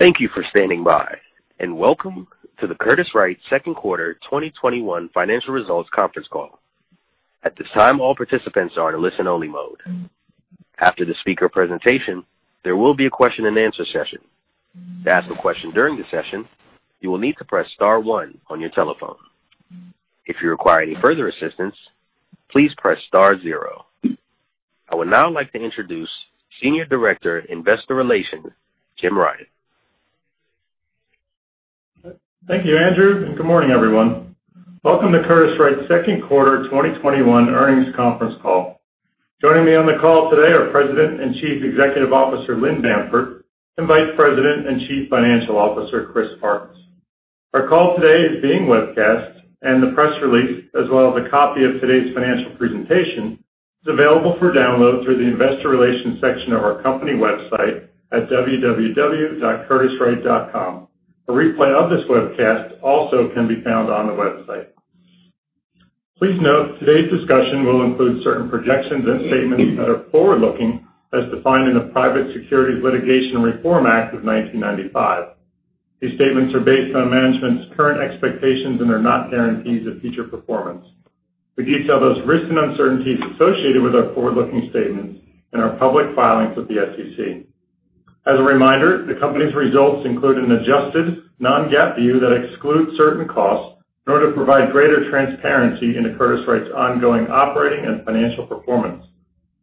Thank you for standing by, and welcome to the Curtiss-Wright second quarter 2021 financial results conference call. At this time all participants are on a listen-only mode. After the speaker presentation, there will be a question-and-answer session. To ask a question during the session, you will need to press star one on your telephone. If you require any further assistance, please press star zero. I would now like to introduce Senior Director, Investor Relations, Jim Ryan. Thank you, Andrew, and good morning, everyone. Welcome to Curtiss-Wright's second quarter 2021 earnings conference call. Joining me on the call today are President and Chief Executive Officer, Lynn Bamford, and Vice President and Chief Financial Officer, Chris Farkas. Our call today is being webcast and the press release, as well as a copy of today's financial presentation, is available for download through the investor relations section of our company website at www.curtisswright.com. A replay of this webcast also can be found on the website. Please note, today's discussion will include certain projections and statements that are forward-looking, as defined in the Private Securities Litigation Reform Act of 1995. These statements are based on management's current expectations and are not guarantees of future performance. We detail those risks and uncertainties associated with our forward-looking statements in our public filings with the SEC. As a reminder, the company's results include an adjusted non-GAAP view that excludes certain costs in order to provide greater transparency into Curtiss-Wright's ongoing operating and financial performance.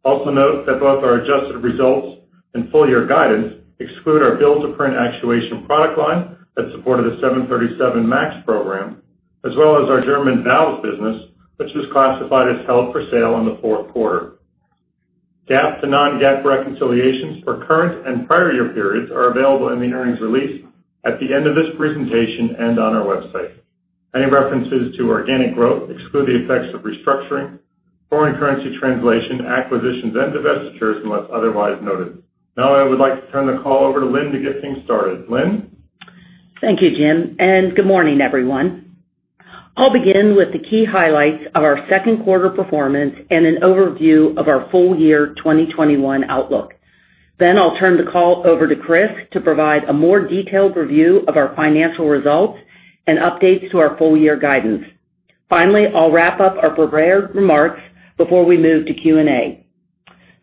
Also note that both our adjusted results and full-year guidance exclude our build to print actuation product line that supported the 737 MAX program, as well as our German valves business, which was classified as held for sale in the fourth quarter. GAAP to non-GAAP reconciliations for current and prior year periods are available in the earnings release at the end of this presentation and on our website. Any references to organic growth exclude the effects of restructuring, foreign currency translation, acquisitions, and divestitures unless otherwise noted. Now I would like to turn the call over to Lynn to get things started. Lynn? Thank you, Jim, good morning, everyone. I'll begin with the key highlights of our second quarter performance and an overview of our full year 2021 outlook. I'll turn the call over to Chris to provide a more detailed review of our financial results and updates to our full year guidance. I'll wrap up our prepared remarks before we move to Q&A.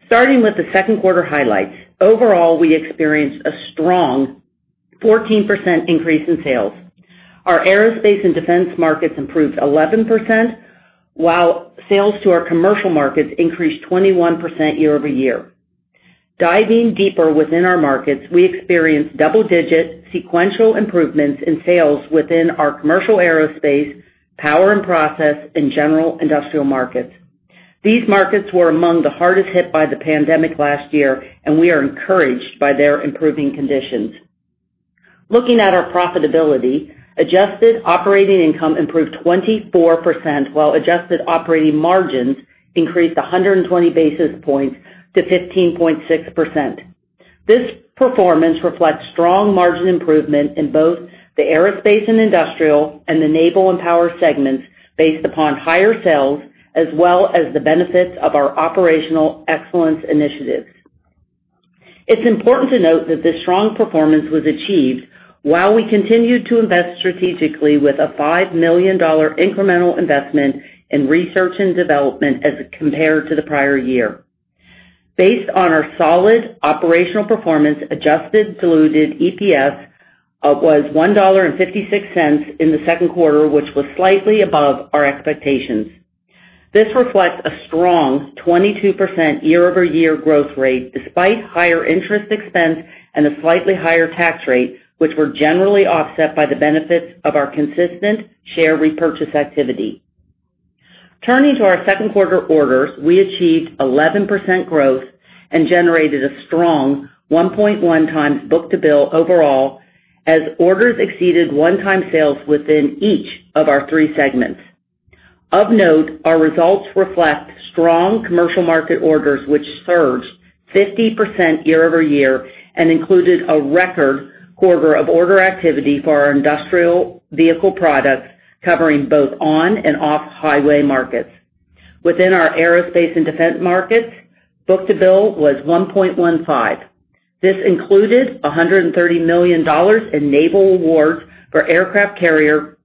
Starting with the second quarter highlights. Overall, we experienced a strong 14% increase in sales. Our aerospace and defense markets improved 11%, while sales to our commercial markets increased 21% year-over-year. Diving deeper within our markets, we experienced double-digit sequential improvements in sales within our commercial aerospace, power and process, and general industrial markets. These markets were among the hardest hit by the pandemic last year, and we are encouraged by their improving conditions. Looking at our profitability, adjusted operating income improved 24%, while adjusted operating margins increased 120 basis points to 15.6%. This performance reflects strong margin improvement in both the aerospace and industrial and the naval and power segments based upon higher sales, as well as the benefits of our operational excellence initiatives. It's important to note that this strong performance was achieved while we continued to invest strategically with a $5 million incremental investment in research and development as compared to the prior year. Based on our solid operational performance, adjusted diluted EPS was $1.56 in the second quarter, which was slightly above our expectations. This reflects a strong 22% year-over-year growth rate, despite higher interest expense and a slightly higher tax rate, which were generally offset by the benefits of our consistent share repurchase activity. Turning to our second quarter orders, we achieved 11% growth and generated a strong 1.1x book-to-bill overall as orders exceeded one-time sales within each of our three segments. Of note, our results reflect strong commercial market orders, which surged 50% year-over-year and included a record quarter of order activity for our industrial vehicle products, covering both on and off-highway markets. Within our aerospace and defense markets, book-to-bill was 1.15. This included $130 million in naval awards for aircraft carrier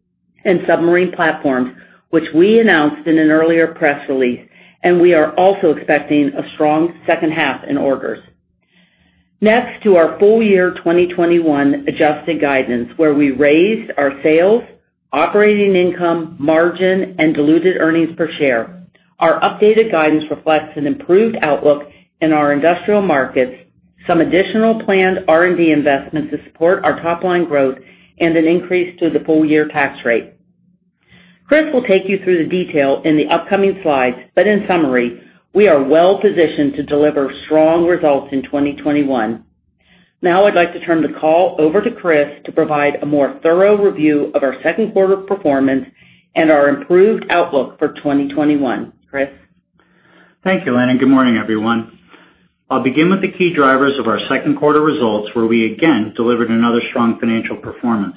and submarine platforms, which we announced in an earlier press release, and we are also expecting a strong second half in orders. Next to our full year 2021 adjusted guidance, where we raised our sales, operating income, margin, and diluted earnings per share. Our updated guidance reflects an improved outlook in our industrial markets, some additional planned R&D investment to support our top-line growth, and an increase to the full-year tax rate. Chris will take you through the detail in the upcoming slides, but in summary, we are well positioned to deliver strong results in 2021. Now I'd like to turn the call over to Chris to provide a more thorough review of our second quarter performance and our improved outlook for 2021. Chris? Thank you, Lynn, and good morning, everyone. I'll begin with the key drivers of our second quarter results, where we again delivered another strong financial performance.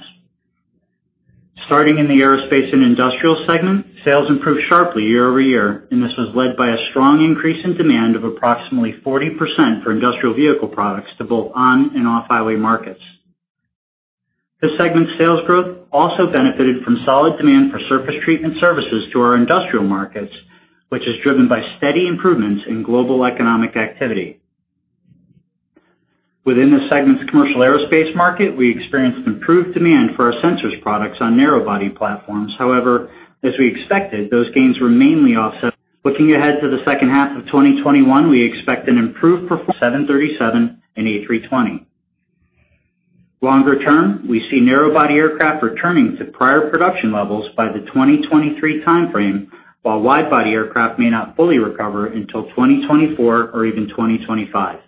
Starting in the aerospace and industrial segment, sales improved sharply year-over-year, and this was led by a strong increase in demand of approximately 40% for industrial vehicle products to both on and off highway markets. This segment's sales growth also benefited from solid demand for surface treatment services to our industrial markets, which is driven by steady improvements in global economic activity. Within the segment's commercial aerospace market, we experienced improved demand for our sensors products on narrow-body platforms. However, as we expected, those gains were mainly offset. Looking ahead to the second half of 2021, we expect an improved performance 737 and A320. Longer term, we see narrow-body aircraft returning to prior production levels by the 2023 timeframe, while wide-body aircraft may not fully recover until 2024 or even 2025.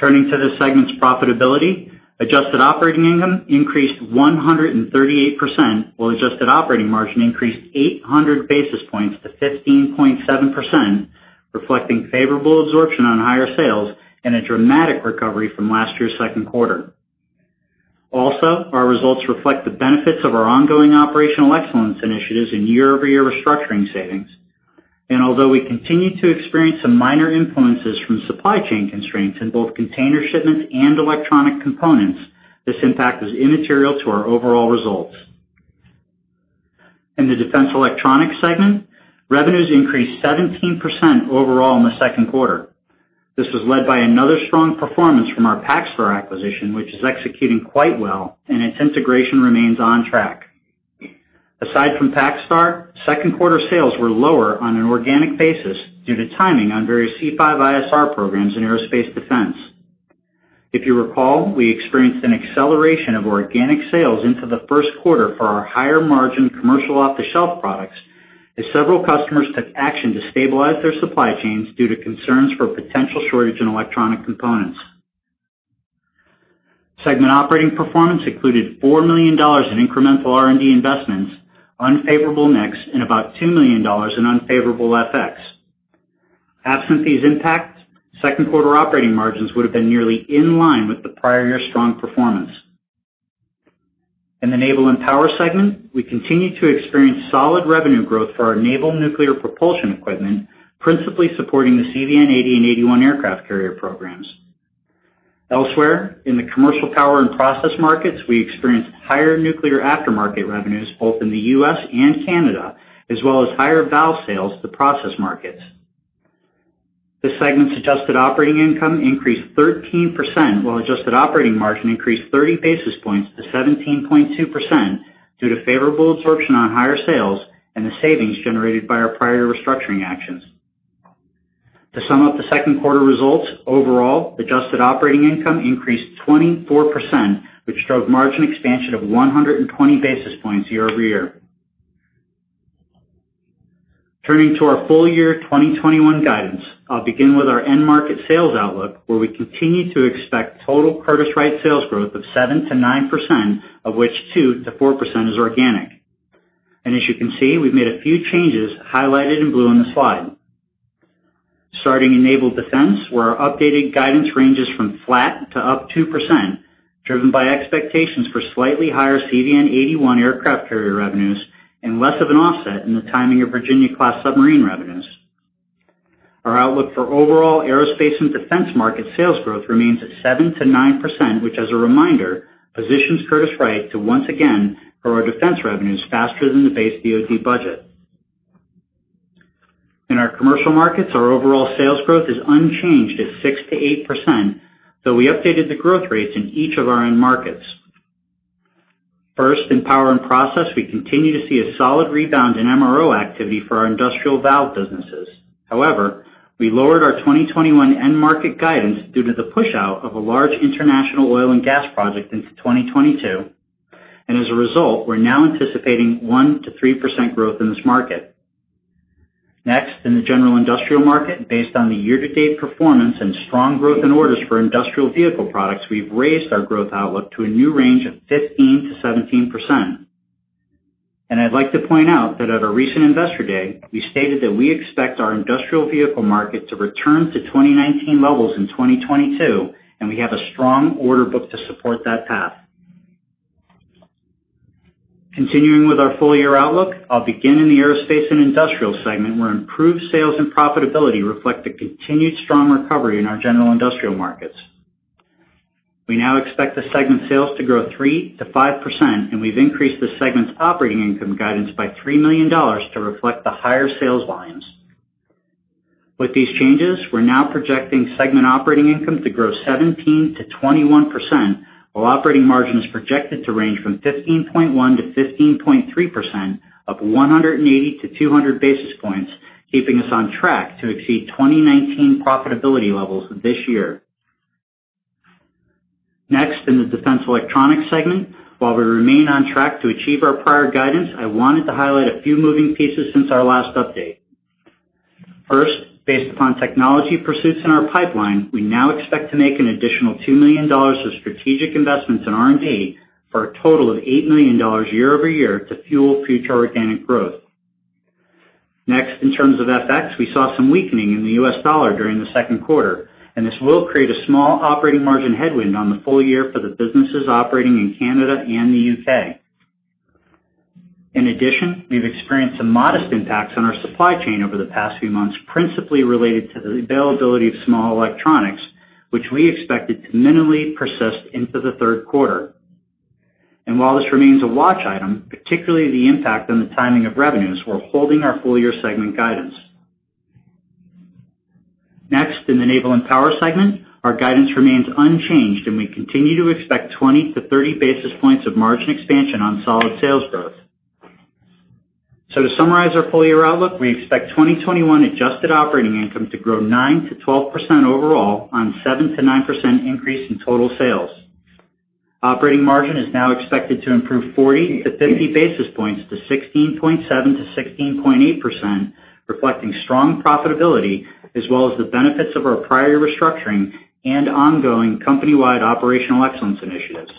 Turning to the segment's profitability, adjusted operating income increased 138%, while adjusted operating margin increased 800 basis points to 15.7%, reflecting favorable absorption on higher sales and a dramatic recovery from last year's second quarter. Also, our results reflect the benefits of our ongoing operational excellence initiatives in year-over-year restructuring savings. Although we continue to experience some minor influences from supply chain constraints in both container shipments and electronic components, this impact is immaterial to our overall results. In the Defense Electronics segment, revenues increased 17% overall in the second quarter. This was led by another strong performance from our PacStar acquisition, which is executing quite well, and its integration remains on track. Aside from PacStar, second quarter sales were lower on an organic basis due to timing on various C5ISR programs in aerospace defense. If you recall, we experienced an acceleration of organic sales into the first quarter for our higher margin commercial off-the-shelf products as several customers took action to stabilize their supply chains due to concerns for potential shortage in electronic components. Segment operating performance included $4 million in incremental R&D investments, unfavorable mix, and about $2 million in unfavorable FX. Absent these impacts, second quarter operating margins would have been nearly in line with the prior year's strong performance. In the naval and power segment, we continue to experience solid revenue growth for our naval nuclear propulsion equipment, principally supporting the CVN-80 and 81 aircraft carrier programs. Elsewhere, in the commercial power and process markets, we experienced higher nuclear aftermarket revenues both in the U.S. and Canada, as well as higher valve sales to process markets. This segment's adjusted operating income increased 13%, while adjusted operating margin increased 30 basis points to 17.2% due to favorable absorption on higher sales and the savings generated by our prior restructuring actions. To sum up the second quarter results, overall adjusted operating income increased 24%, which drove margin expansion of 120 basis points year-over-year. Turning to our full year 2021 guidance, I'll begin with our end market sales outlook, where we continue to expect total Curtiss-Wright sales growth of 7%-9%, of which 2%-4% is organic. As you can see, we've made a few changes highlighted in blue on the slide. Starting in naval defense, where our updated guidance ranges from flat to up 2%, driven by expectations for slightly higher CVN-81 aircraft carrier revenues and less of an offset in the timing of Virginia-class submarine revenues. Our outlook for overall aerospace and defense market sales growth remains at 7%-9%, which, as a reminder, positions Curtiss-Wright to once again grow our defense revenues faster than the base DoD budget. In our commercial markets, our overall sales growth is unchanged at 6%-8%, though we updated the growth rates in each of our end markets. First, in power and process, we continue to see a solid rebound in MRO activity for our industrial valve businesses. However, we lowered our 2021 end market guidance due to the push out of a large international oil and gas project into 2022, and as a result, we're now anticipating 1%-3% growth in this market. Next, in the general industrial market, based on the year-to-date performance and strong growth in orders for industrial vehicle products, we've raised our growth outlook to a new range of 15%-17%. I'd like to point out that at our recent Investor Day, we stated that we expect our industrial vehicle market to return to 2019 levels in 2022, and we have a strong order book to support that path. Continuing with our full year outlook, I'll begin in the aerospace and industrial segment, where improved sales and profitability reflect the continued strong recovery in our general industrial markets. We now expect the segment sales to grow 3%-5%, and we've increased the segment's operating income guidance by $3 million to reflect the higher sales volumes. With these changes, we're now projecting segment operating income to grow 17%-21% while operating margin is projected to range from 15.1%-15.3% up 180 basis points-200 basis points, keeping us on track to exceed 2019 profitability levels this year. Next, in the Defense Electronics segment. While we remain on track to achieve our prior guidance, I wanted to highlight a few moving pieces since our last update. First, based upon technology pursuits in our pipeline, we now expect to make an additional $2 million of strategic investments in R&D for a total of $8 million year-over-year to fuel future organic growth. Next, in terms of FX, we saw some weakening in the U.S. dollar during the second quarter, and this will create a small operating margin headwind on the full year for the businesses operating in Canada and the U.K. In addition, we've experienced some modest impacts on our supply chain over the past few months, principally related to the availability of small electronics, which we expected to minimally persist into the third quarter. While this remains a watch item, particularly the impact on the timing of revenues, we're holding our full-year segment guidance. In the Naval and Power segment, our guidance remains unchanged, and we continue to expect 20 basis points-30 basis points of margin expansion on solid sales growth. To summarize our full-year outlook, we expect 2021 adjusted operating income to grow 9%-12% overall on 7%-9% increase in total sales. Operating margin is now expected to improve 40 basis points-50 basis points to 16.7%-16.8%, reflecting strong profitability as well as the benefits of our prior restructuring and ongoing company-wide operational excellence initiatives.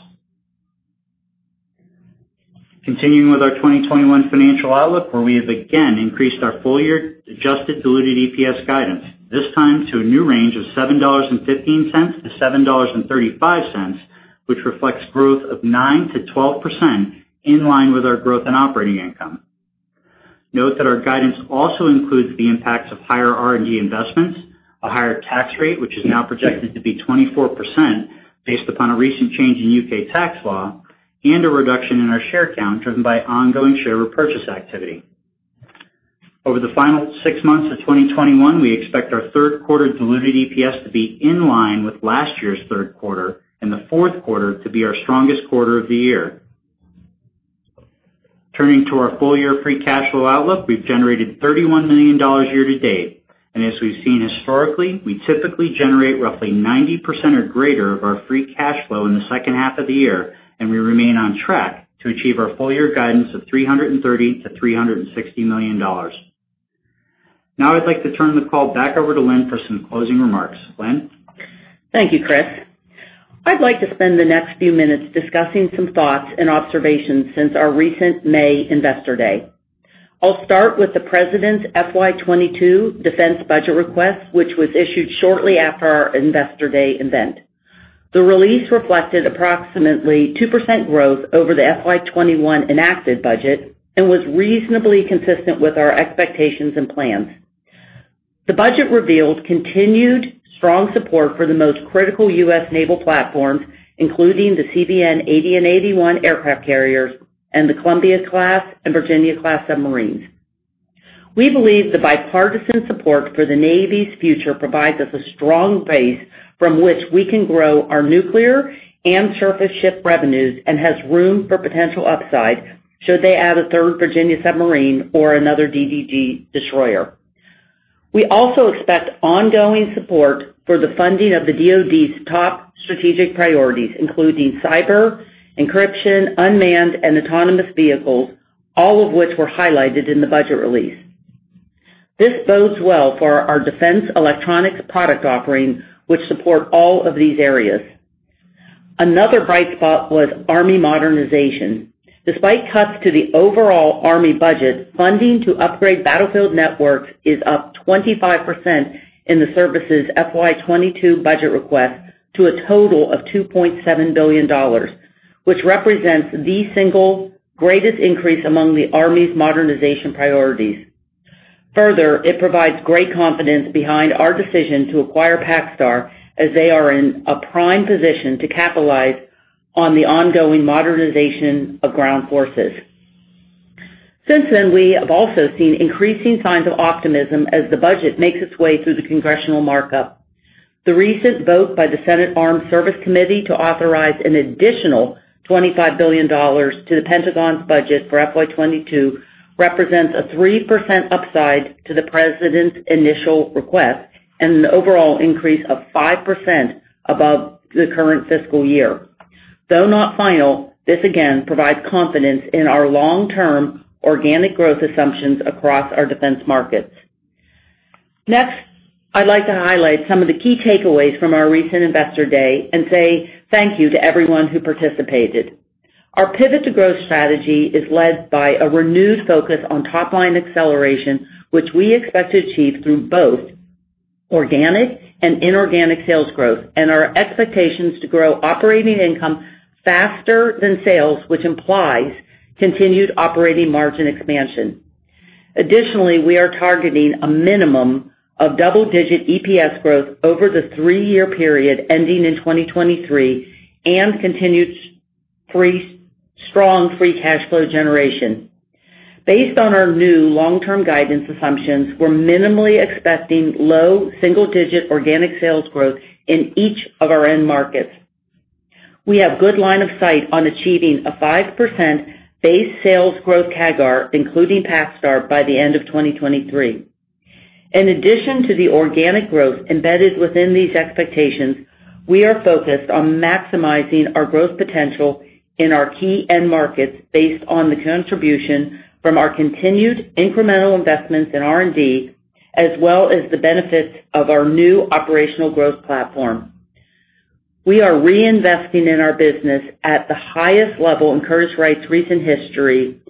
Continuing with our 2021 financial outlook, where we have again increased our full-year adjusted diluted EPS guidance, this time to a new range of $7.15-$7.35, which reflects growth of 9%-12% in line with our growth and operating income. Note that our guidance also includes the impacts of higher R&D investments, a higher tax rate, which is now projected to be 24% based upon a recent change in U.K. tax law, and a reduction in our share count driven by ongoing share repurchase activity. Over the final six months of 2021, we expect our third quarter diluted EPS to be in line with last year's third quarter and the fourth quarter to be our strongest quarter of the year. Turning to our full-year free cash flow outlook, we've generated $31 million year to date. As we've seen historically, we typically generate roughly 90% or greater of our free cash flow in the second half of the year, and we remain on track to achieve our full-year guidance of $330 million-$360 million. I'd like to turn the call back over to Lynn for some closing remarks. Lynn? Thank you, Chris. I'd like to spend the next few minutes discussing some thoughts and observations since our recent May Investor Day. I'll start with the President's FY 2022 defense budget request, which was issued shortly after our Investor Day event. The release reflected approximately 2% growth over the FY 2021 enacted budget and was reasonably consistent with our expectations and plans. The budget revealed continued strong support for the most critical U.S. naval platforms, including the CVN-80 and 81 aircraft carriers and the Columbia-class and Virginia-class submarines. We believe the bipartisan support for the Navy's future provides us a strong base from which we can grow our nuclear and surface ship revenues and has room for potential upside should they add a third Virginia submarine or another DDG destroyer. We also expect ongoing support for the funding of the DoD's top strategic priorities, including cyber, encryption, unmanned and autonomous vehicles, all of which were highlighted in the budget release. This bodes well for our Defense Electronics product offering, which support all of these areas. Another bright spot was Army modernization. Despite cuts to the overall Army budget, funding to upgrade battlefield networks is up 25% in the service's FY 2022 budget request to a total of $2.7 billion, which represents the single greatest increase among the Army's modernization priorities. Further, it provides great confidence behind our decision to acquire PacStar, as they are in a prime position to capitalize on the ongoing modernization of ground forces. Since then, we have also seen increasing signs of optimism as the budget makes its way through the congressional markup. The recent vote by the Senate Armed Services Committee to authorize an additional $25 billion to the Pentagon's budget for FY 2022 represents a 3% upside to the President's initial request and an overall increase of 5% above the current fiscal year. Though not final, this again provides confidence in our long-term organic growth assumptions across our defense markets. Next, I'd like to highlight some of the key takeaways from our recent Investor Day and say thank you to everyone who participated. Our Pivot to Growth strategy is led by a renewed focus on top-line acceleration, which we expect to achieve through both organic and inorganic sales growth and our expectations to grow operating income faster than sales, which implies continued operating margin expansion. Additionally, we are targeting a minimum of double-digit EPS growth over the three-year period ending in 2023 and continued strong free cash flow generation. Based on our new long-term guidance assumptions, we're minimally expecting low single-digit organic sales growth in each of our end markets. We have good line of sight on achieving a 5% base sales growth CAGR, including PacStar, by the end of 2023. In addition to the organic growth embedded within these expectations, we are focused on maximizing our growth potential in our key end markets based on the contribution from our continued incremental investments in R&D, as well as the benefits of our new operational growth platform. We are reinvesting in our business at the highest level in Curtiss-Wright's recent history,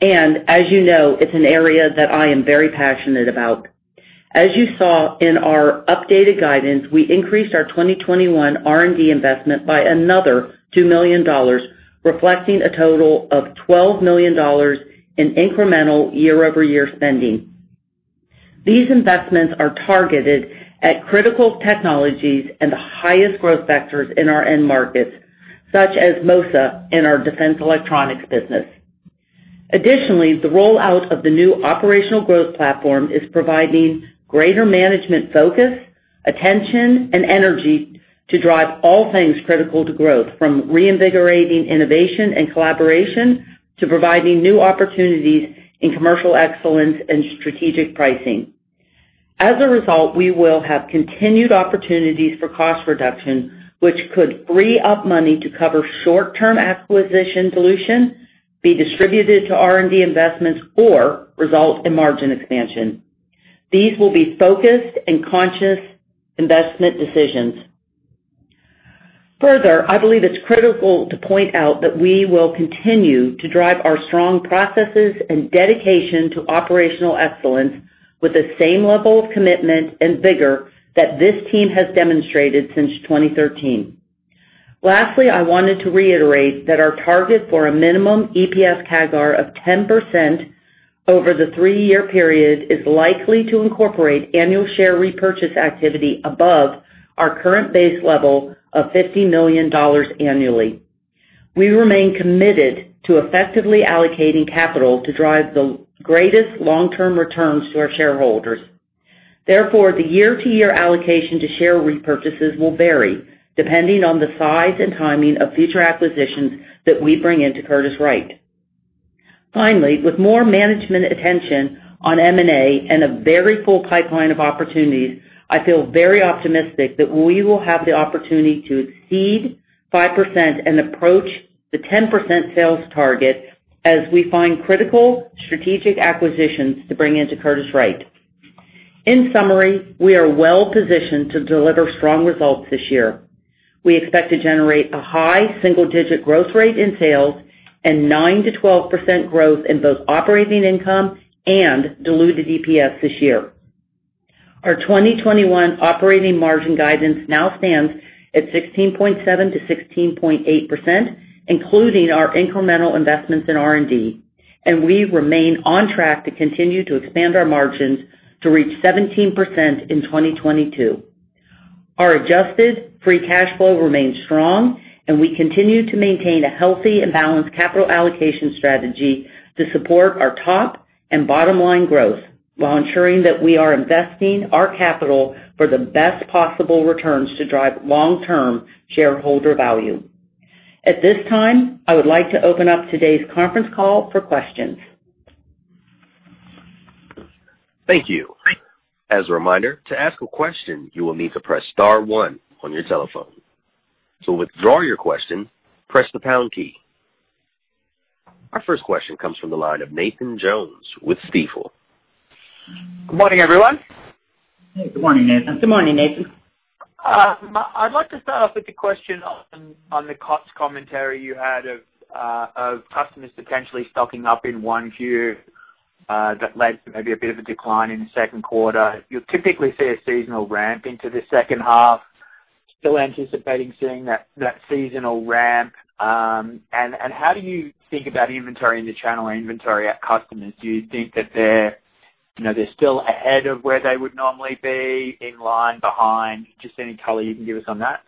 and as you know, it's an area that I am very passionate about. As you saw in our updated guidance, we increased our 2021 R&D investment by another $2 million, reflecting a total of $12 million in incremental year-over-year spending. These investments are targeted at critical technologies and the highest growth vectors in our end markets, such as MOSA and our Defense Electronics business. Additionally, the rollout of the new operational growth platform is providing greater management focus, attention, and energy to drive all things critical to growth, from reinvigorating innovation and collaboration to providing new opportunities in commercial excellence and strategic pricing. As a result, we will have continued opportunities for cost reduction, which could free up money to cover short-term acquisition dilution, be distributed to R&D investments, or result in margin expansion. These will be focused and conscious investment decisions. Further, I believe it's critical to point out that we will continue to drive our strong processes and dedication to operational excellence with the same level of commitment and vigor that this team has demonstrated since 2013. Lastly, I wanted to reiterate that our target for a minimum EPS CAGR of 10% over the three-year period is likely to incorporate annual share repurchase activity above our current base level of $50 million annually. We remain committed to effectively allocating capital to drive the greatest long-term returns to our shareholders. Therefore, the year-to-year allocation to share repurchases will vary depending on the size and timing of future acquisitions that we bring into Curtiss-Wright. Finally, with more management attention on M&A and a very full pipeline of opportunities, I feel very optimistic that we will have the opportunity to exceed 5% and approach the 10% sales target as we find critical strategic acquisitions to bring into Curtiss-Wright. In summary, we are well-positioned to deliver strong results this year. We expect to generate a high single-digit growth rate in sales and 9%-12% growth in both operating income and diluted EPS this year. Our 2021 operating margin guidance now stands at 16.7%-16.8%, including our incremental investments in R&D, and we remain on track to continue to expand our margins to reach 17% in 2022. Our adjusted free cash flow remains strong, and we continue to maintain a healthy and balanced capital allocation strategy to support our top and bottom-line growth while ensuring that we are investing our capital for the best possible returns to drive long-term shareholder value. At this time, I would like to open up today's conference call for questions. Thank you. As a reminder, to ask a question, you will need to press star one on your telephone. To withdraw your question, press the pound key. Our first question comes from the line of Nathan Jones with Stifel. Good morning, everyone. Good morning, Nathan. Good morning, Nathan. I'd like to start off with the question on the costs commentary you had of customers potentially stocking up in 1Q that led to maybe a bit of a decline in the second quarter. You'll typically see a seasonal ramp into the second half. Still anticipating seeing that seasonal ramp. How do you think about inventory in the channel or inventory at customers? Do you think that they're still ahead of where they would normally be, in line, behind? Just any color you can give us on that.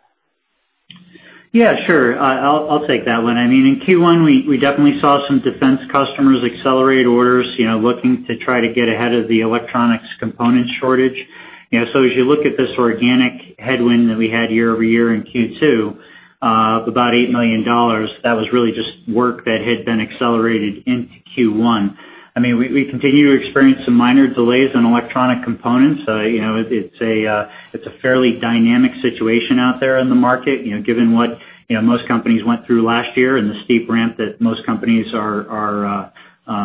Yeah, sure. I'll take that one. In Q1, we definitely saw some defense customers accelerate orders, looking to try to get ahead of the electronics component shortage. As you look at this organic headwind that we had year-over-year in Q2 of about $8 million, that was really just work that had been accelerated into Q1. We continue to experience some minor delays on electronic components. It's a fairly dynamic situation out there in the market, given what most companies went through last year and the steep ramp that most companies are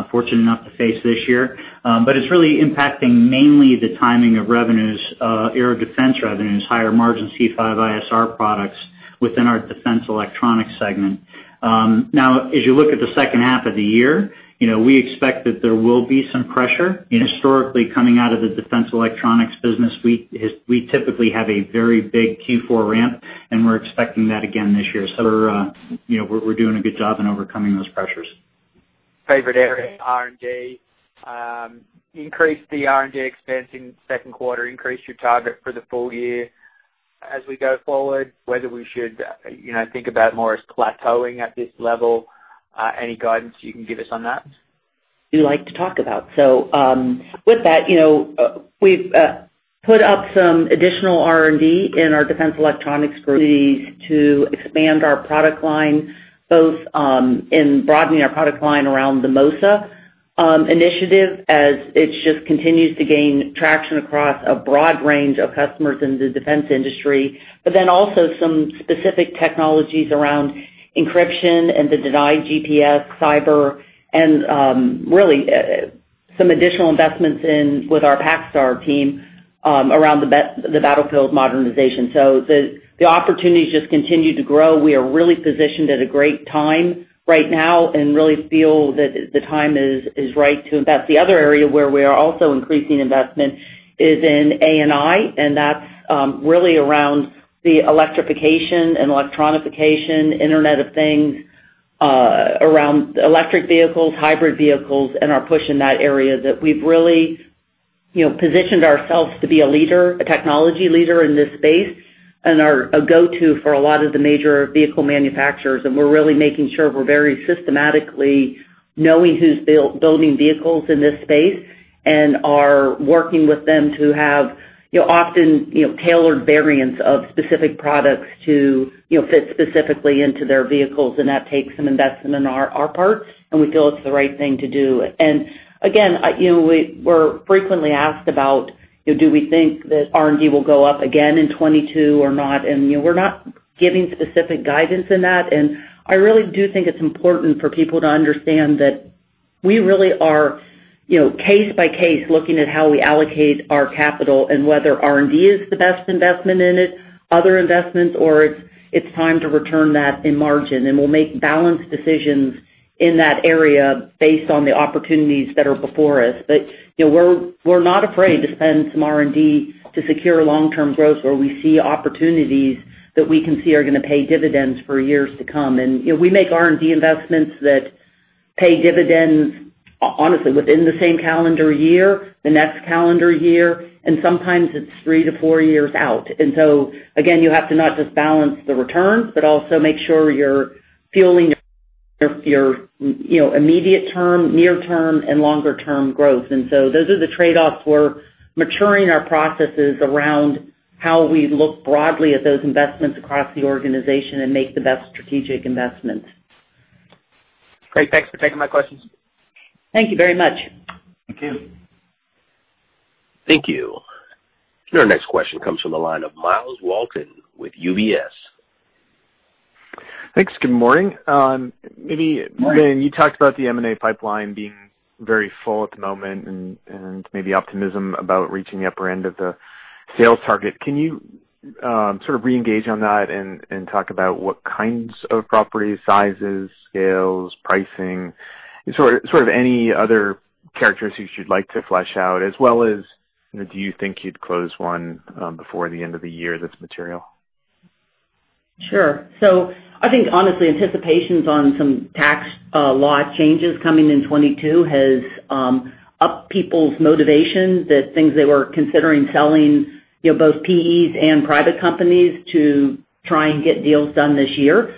fortunate enough to face this year. It's really impacting mainly the timing of revenues, air defense revenues, higher margin C5ISR products within our Defense Electronics segment. As you look at the second half of the year, we expect that there will be some pressure historically coming out of the Defense Electronics business. We typically have a very big Q4 ramp, and we're expecting that again this year. We're doing a good job in overcoming those pressures. Favorite area, R&D. Increased the R&D expense in the second quarter, increased your target for the full year. As we go forward, whether we should think about more as plateauing at this level, any guidance you can give us on that? We like to talk about. With that, we've put up some additional R&D in our Defense Electronics to expand our product line, both in broadening our product line around the MOSA initiative as it just continues to gain traction across a broad range of customers in the defense industry. Also, some specific technologies around encryption and the denied GPS, cyber, and some additional investments with our PacStar team around the battlefield modernization. The opportunities just continue to grow. We are really positioned at a great time right now and really feel that the time is right to invest. The other area where we are also increasing investment is in A&I, and that's really around the electrification and electronification, Internet of Things, around electric vehicles, hybrid vehicles, and our push in that area that we've really positioned ourselves to be a technology leader in this space and are a go-to for a lot of the major vehicle manufacturers. We're really making sure we're very systematically knowing who's building vehicles in this space and are working with them to have often tailored variants of specific products to fit specifically into their vehicles. That takes some investment on our part, and we feel it's the right thing to do. Again, we're frequently asked about, do we think that R&D will go up again in 2022 or not? We're not giving specific guidance in that. I really do think it's important for people to understand that we really are case by case, looking at how we allocate our capital and whether R&D is the best investment in it, other investments, or it's time to return that in margin. We'll make balanced decisions in that area based on the opportunities that are before us. We're not afraid to spend some R&D to secure long-term growth where we see opportunities that we can see are going to pay dividends for years to come. We make R&D investments that pay dividends, honestly, within the same calendar year, the next calendar year, and sometimes it's three to four years out. Again, you have to not just balance the returns, but also make sure you're fueling your immediate term, near term, and longer-term growth. Those are the trade-offs. We're maturing our processes around how we look broadly at those investments across the organization and make the best strategic investments. Great. Thanks for taking my questions. Thank you very much. Thank you. Thank you. Your next question comes from the line of Myles Walton with UBS. Thanks. Good morning. Morning. Maybe, Lynn, you talked about the M&A pipeline being very full at the moment and maybe optimism about reaching the upper end of the sales target. Can you sort of re-engage on that and talk about what kinds of properties, sizes, scales, pricing, sort of any other characteristics you'd like to flesh out, as well as do you think you'd close one before the end of the year that's material? Sure. I think, honestly, anticipations on some tax law changes coming in 2022 has upped people's motivation that things they were considering selling, both PEs and private companies, to try and get deals done this year.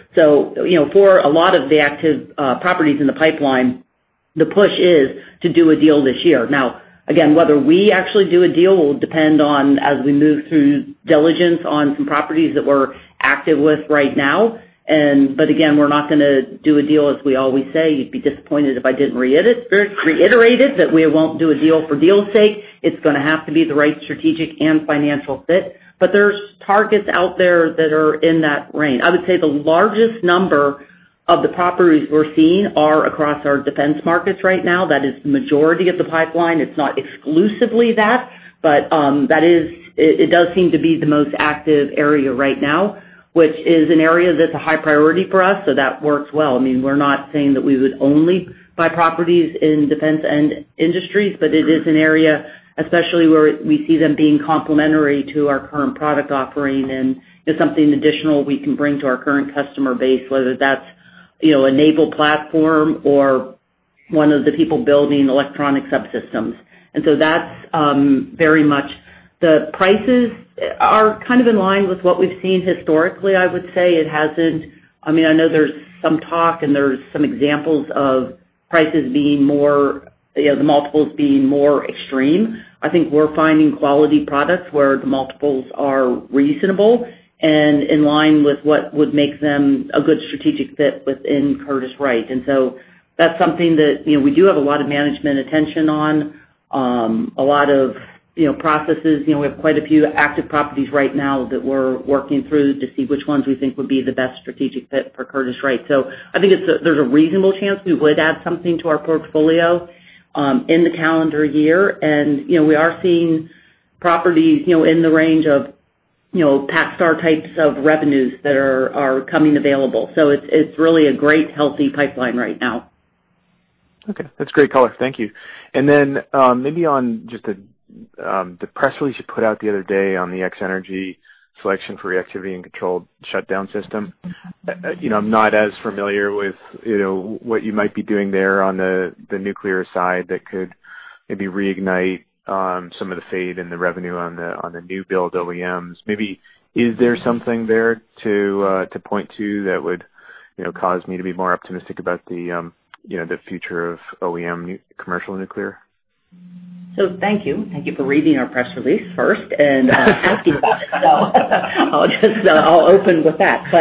Again, whether we actually do a deal will depend on as we move through diligence on some properties that we're active with right now. Again, we're not going to do a deal, as we always say, you'd be disappointed if I didn't reiterate it, that we won't do a deal for deal's sake. It's going to have to be the right strategic and financial fit. There's targets out there that are in that range. I would say the largest number of the properties we're seeing are across our defense markets right now. That is the majority of the pipeline. It's not exclusively that, but it does seem to be the most active area right now, which is an area that's a high priority for us. That works well. We're not saying that we would only buy properties in defense end industries, but it is an area, especially where we see them being complementary to our current product offering and is something additional we can bring to our current customer base, whether that's a naval platform or one of the people building electronic subsystems. That's very much. The prices are kind of in line with what we've seen historically, I would say. I know there's some talk and there's some examples of the multiples being more extreme. I think we're finding quality products where the multiples are reasonable and in line with what would make them a good strategic fit within Curtiss-Wright. That's something that we do have a lot of management attention on, a lot of processes. We have quite a few active properties right now that we're working through to see which ones we think would be the best strategic fit for Curtiss-Wright. I think there's a reasonable chance we would add something to our portfolio in the calendar year, and we are seeing properties in the range of PacStar types of revenues that are coming available. It's really a great, healthy pipeline right now. Okay. That's great color. Thank you. Then maybe on just the press release you put out the other day on the X-energy selection for reactivity and controlled shutdown system. I'm not as familiar with what you might be doing there on the nuclear side that could maybe reignite some of the fade in the revenue on the new build OEMs. Is there something there to point to that would cause me to be more optimistic about the future of OEM commercial nuclear? Thank you. Thank you for reading our press release first and asking about it. I'll open with that.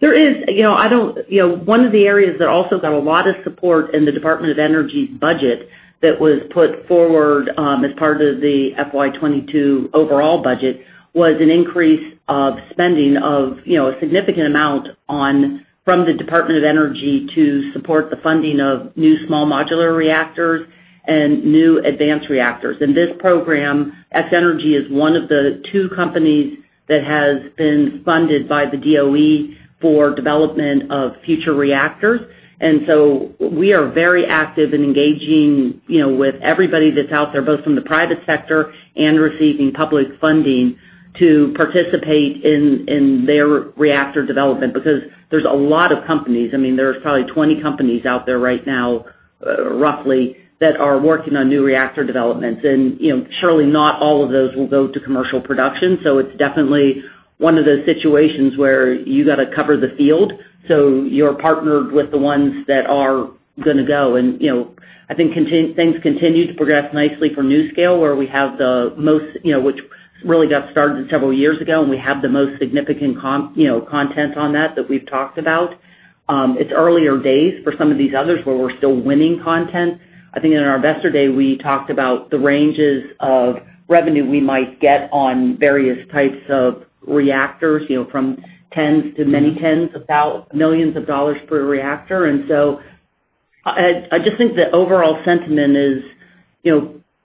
One of the areas that also got a lot of support in the Department of Energy's budget that was put forward as part of the FY 2022 overall budget was an increase of spending of a significant amount from the Department of Energy to support the funding of new small modular reactors and new advanced reactors. In this program, X-energy is one of the two companies that has been funded by the DOE for development of future reactors. We are very active in engaging with everybody that's out there, both from the private sector and receiving public funding to participate in their reactor development, because there's a lot of companies. There's probably 20 companies out there right now, roughly, that are working on new reactor developments, surely not all of those will go to commercial production. It's definitely one of those situations where you got to cover the field, you're partnered with the ones that are going to go. I think things continue to progress nicely for NuScale, which really got started several years ago, we have the most significant content on that that we've talked about. It's earlier days for some of these others where we're still winning content. I think in our Investor Day, we talked about the ranges of revenue we might get on various types of reactors, from tens to many tens about millions of dollars per reactor. I just think the overall sentiment is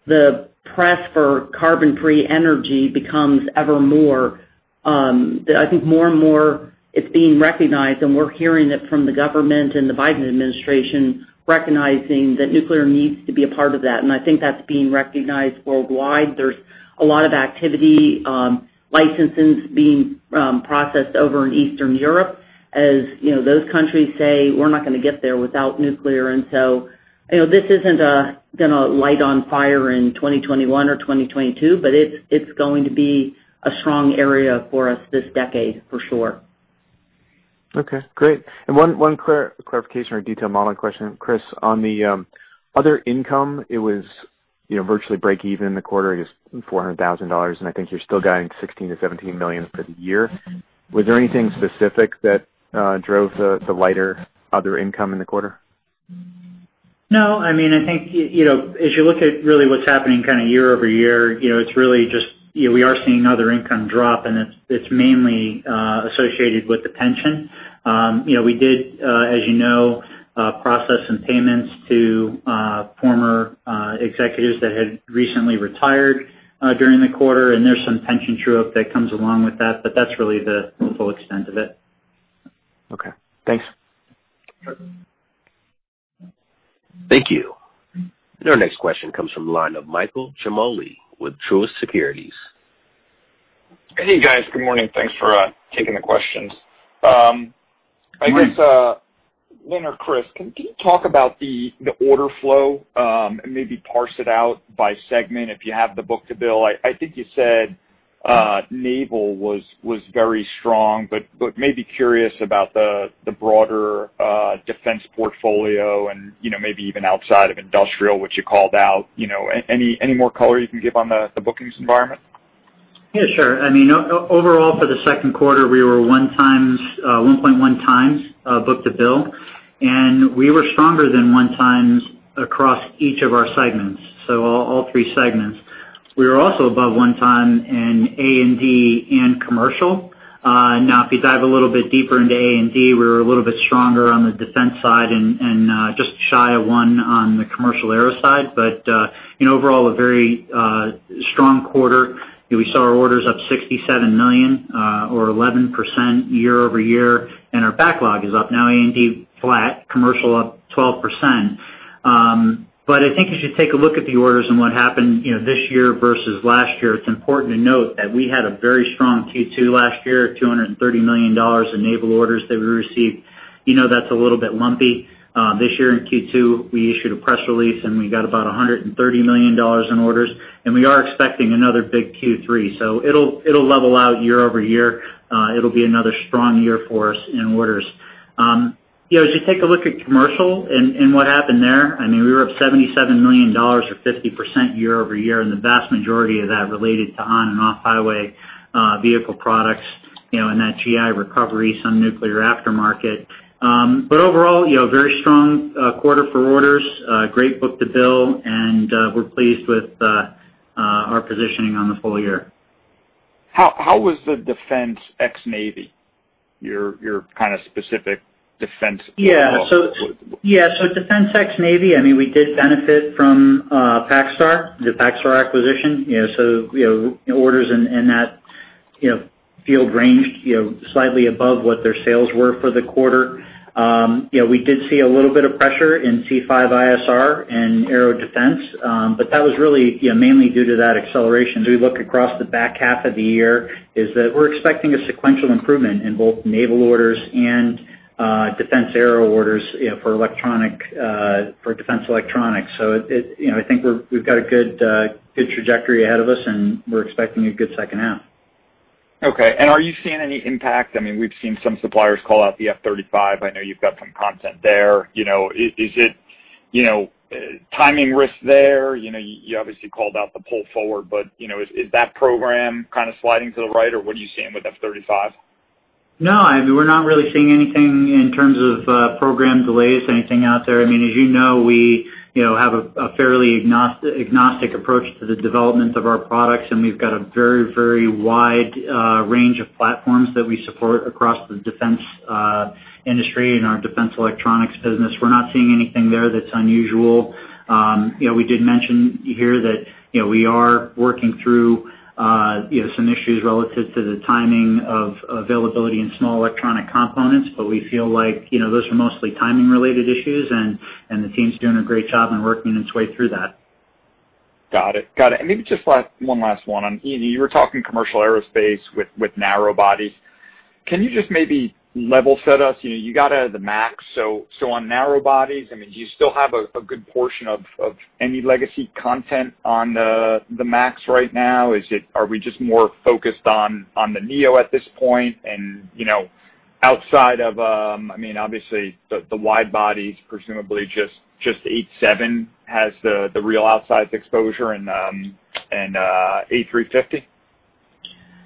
the press for carbon-free energy becomes ever more. I think more and more it's being recognized, and we're hearing it from the government and the Biden administration recognizing that nuclear needs to be a part of that. I think that's being recognized worldwide. There's a lot of activity, licenses being processed over in Eastern Europe as those countries say, "We're not going to get there without nuclear." This isn't going to light on fire in 2021 or 2022, but it's going to be a strong area for us this decade for sure. Okay, great. One clarification or detail modeling question. Chris, on the other income, it was virtually breakeven in the quarter. I guess $400,000, and I think you're still guiding $16 million-$17 million for the year. Was there anything specific that drove the lighter other income in the quarter? No, I think as you look at really what's happening year-over-year, it's really just we are seeing other income drop, and it's mainly associated with the pension. We did, as you know, process some payments to former executives that had recently retired during the quarter, and there's some pension true-up that comes along with that, but that's really the full extent of it. Okay, thanks. Sure. Thank you. Our next question comes from the line of Michael Ciarmoli with Truist Securities. Hey, guys. Good morning. Thanks for taking the questions. I guess, Lynn or Chris, can you talk about the order flow and maybe parse it out by segment if you have the book-to-bill? I think you said naval was very strong, but maybe curious about the broader defense portfolio and maybe even outside of industrial, which you called out. Any more color you can give on the bookings environment? Overall, for the second quarter, we were 1.1x book-to-bill, and we were stronger than 1.0x across each of our segments, so all three segments. We were also above 1.0x in A&D and commercial. If you dive a little bit deeper into A&D, we were a little bit stronger on the defense side and just shy of 1.0x on the commercial aero side. Overall, a very strong quarter. We saw our orders up $67 million or 11% year-over-year, and our backlog is up now A&D flat, commercial up 12%. I think if you take a look at the orders and what happened this year versus last year, it's important to note that we had a very strong Q2 last year, $230 million in naval orders that we received. That's a little bit lumpy. This year in Q2, we issued a press release, and we got about $130 million in orders, and we are expecting another big Q3. It'll level out year-over-year. It'll be another strong year for us in orders. As you take a look at commercial and what happened there, we were up $77 million or 50% year-over-year, and the vast majority of that related to on and off-highway vehicle products, and that GI recovery, some nuclear aftermarket. Overall, very strong quarter for orders, great book-to-bill, and we're pleased with our positioning on the full year. How was the defense x Navy, your specific defense portfolio? Defense x Navy, we did benefit from the PacStar acquisition. Orders in that field ranged slightly above what their sales were for the quarter. We did see a little bit of pressure in C5ISR and Aero defense, but that was really mainly due to that acceleration. As we look across the back half of the year, is that we're expecting a sequential improvement in both naval orders and defense aero orders for Defense Electronics. I think we've got a good trajectory ahead of us, and we're expecting a good second half. Okay. Are you seeing any impact? We've seen some suppliers call out the F-35. I know you've got some content there. Is it timing risk there? You obviously called out the pull forward, but is that program kind of sliding to the right? What are you seeing with F-35? No, we're not really seeing anything in terms of program delays, anything out there. As you know, we have a fairly agnostic approach to the development of our products, and we've got a very wide range of platforms that we support across the defense industry and our Defense Electronics business. We're not seeing anything there that's unusual. We did mention here that we are working through some issues relative to the timing of availability in small electronic components, but we feel like those are mostly timing-related issues, and the team's doing a great job in working its way through that. Got it. Maybe just one last one. You were talking commercial aerospace with narrow body. Can you just maybe level set us? You got the MAX. On narrow bodies, do you still have a good portion of any legacy content on the MAX right now? Are we just more focused on the neo at this point? Outside of, obviously, the wide bodies, presumably just 87 has the real outsize exposure and, A350?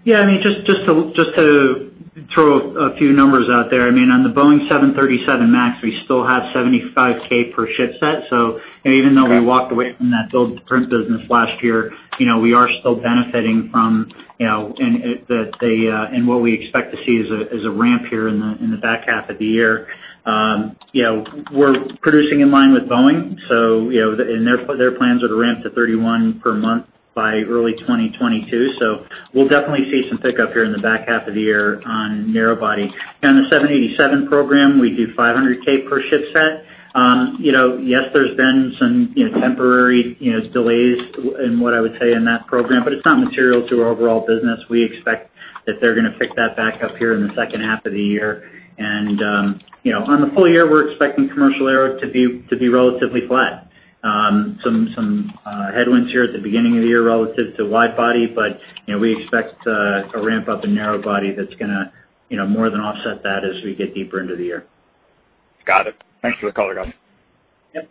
Yeah. Just to throw a few numbers out there. On the Boeing 737 MAX, we still have $75,000 per ship set. Even though we walked away from that build-to-print business last year, we are still benefiting from, and what we expect to see is a ramp here in the back half of the year. We're producing in line with Boeing, their plans are to ramp to 31 per month by early 2022. We'll definitely see some pickup here in the back half of the year on narrow body. On the 787 program, we do $500,000 per ship set. Yes, there's been some temporary delays in what I would say in that program, it's not material to our overall business. We expect that they're going to pick that back up here in the second half of the year. On the full year, we're expecting commercial aero to be relatively flat. Some headwinds here at the beginning of the year relative to wide body, but we expect a ramp up in narrow body that's going to more than offset that as we get deeper into the year. Got it. Thanks for the color, guys. Yep.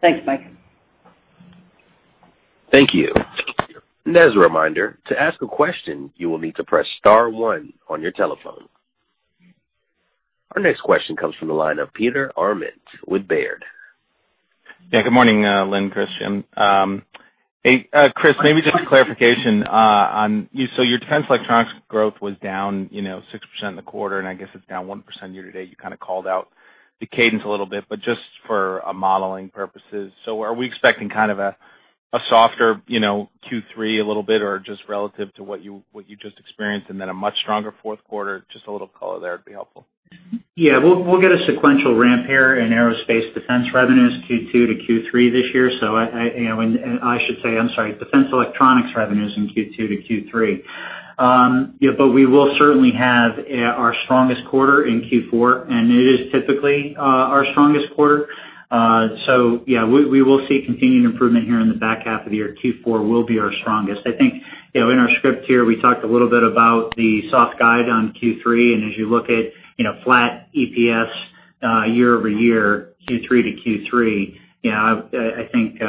Thanks, Mike. Thank you. As a reminder, to ask a question, you will need to press star one on your telephone. Our next question comes from the line of Peter Arment with Baird. Yeah. Good morning, Lynn, Chris. Maybe just a clarification on, your Defense Electronics growth was down 6% in the quarter, and I guess it's down 1% year to date. You kind of called out the cadence a little bit, but just for modeling purposes. Are we expecting kind of a softer Q3 a little bit? Or just relative to what you just experienced, and then a much stronger fourth quarter? Just a little color there would be helpful. We'll get a sequential ramp here in aerospace defense revenues Q2 to Q3 this year. I should say, I'm sorry, Defense electronics revenues in Q2 to Q3. We will certainly have our strongest quarter in Q4, and it is typically our strongest quarter. We will see continuing improvement here in the back half of the year. Q4 will be our strongest. I think, in our script here, we talked a little bit about the soft guide on Q3, and as you look at flat EPS year-over-year, Q3 to Q3, I think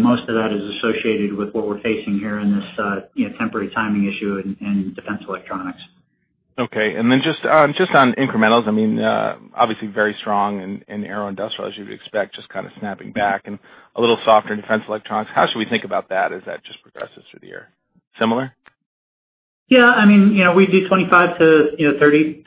most of that is associated with what we're facing here in this temporary timing issue in Defense Electronics. Okay, just on incrementals. Obviously very strong in Aero Industrial, as you would expect, just kind of snapping back, and a little softer in Defense Electronics. How should we think about that as that just progresses through the year? Similar? Yeah. We do 25%-30%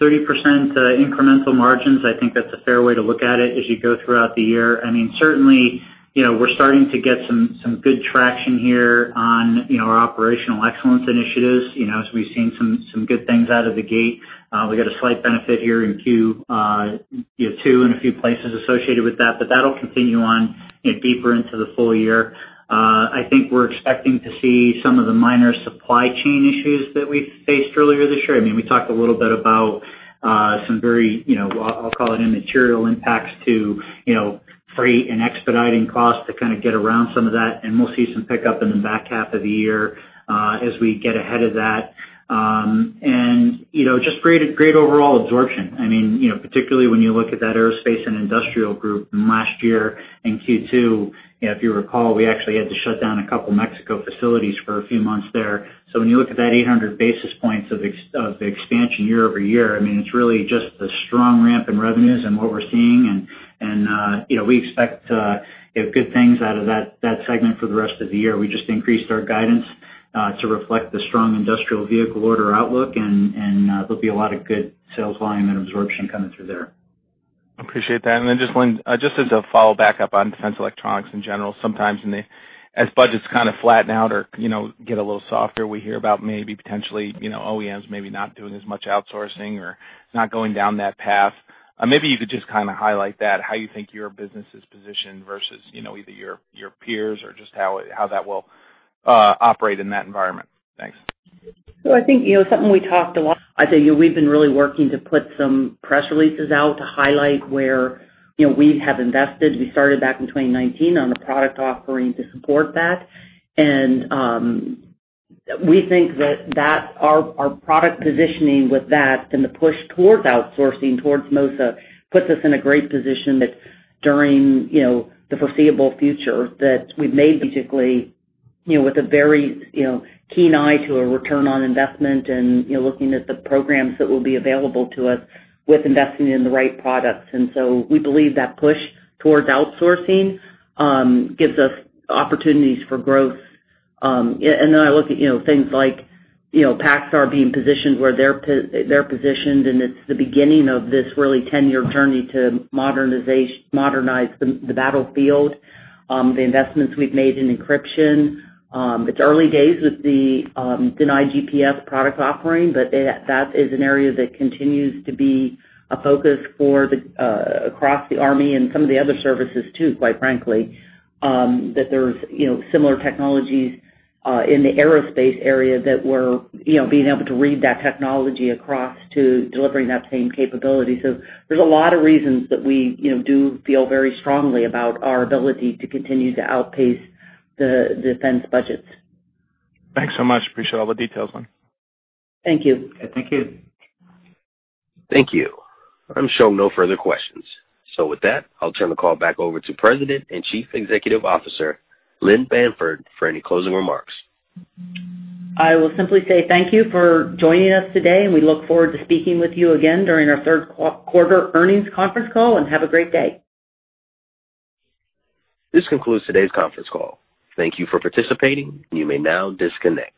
incremental margins. I think that's a fair way to look at it as you go throughout the year. Certainly, we're starting to get some good traction here on our operational excellence initiatives. We've seen some good things out of the gate. We got a slight benefit here in Q2 in a few places associated with that. That'll continue on deeper into the full year. I think we're expecting to see some of the minor supply chain issues that we faced earlier this year. We talked a little bit about some very, I'll call it immaterial impacts to freight and expediting costs to kind of get around some of that. We'll see some pickup in the back half of the year, as we get ahead of that. Just great overall absorption. Particularly when you look at that aerospace and industrial group from last year in Q2, if you recall, we actually had to shut down a couple Mexico facilities for a few months there. When you look at that 800 basis points of expansion year-over-year, it's really just the strong ramp in revenues and what we're seeing, and we expect good things out of that segment for the rest of the year. We just increased our guidance to reflect the strong industrial vehicle order outlook, and there'll be a lot of good sales volume and absorption coming through there. Appreciate that. Just, Lynn, just as a follow back up on Defense Electronics in general, sometimes as budgets kind of flatten out or get a little softer, we hear about maybe potentially OEMs maybe not doing as much outsourcing or not going down that path. Maybe you could just kind of highlight that, how you think your business is positioned versus either your peers or just how that will operate in that environment. Thanks. I think something we talked a lot. I think we've been really working to put some press releases out to highlight where we have invested. We started back in 2019 on the product offering to support that, and we think that our product positioning with that and the push towards outsourcing, towards MOSA, puts us in a great position that during the foreseeable future that we've made with a very keen eye to a return on investment and looking at the programs that will be available to us with investing in the right products. We believe that push towards outsourcing gives us opportunities for growth. Then I look at things like PacStar being positioned where they're positioned, and it's the beginning of this really 10-year journey to modernize the battlefield. The investments we've made in encryption. It's early days with the denied GPS product offering, but that is an area that continues to be a focus across the Army and some of the other services too, quite frankly. There's similar technologies in the aerospace area that we're being able to read that technology across to delivering that same capability. So, there's a lot of reasons that we do feel very strongly about our ability to continue to outpace the defense budgets. Thanks so much. Appreciate all the details, Lynn. Thank you. Thank you. Thank you. I'm shown no further questions. With that, I'll turn the call back over to President and Chief Executive Officer, Lynn Bamford, for any closing remarks. I will simply say thank you for joining us today, and we look forward to speaking with you again during our third quarter earnings conference call, and have a great day. This concludes today's conference call. Thank you for participating. You may now disconnect.